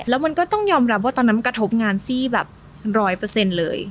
แล้วมันก็ต้องยอมรับว่าตอนนั้นมันกระทบงานซี่แบบร้อยเปอร์เซ็นต์เลย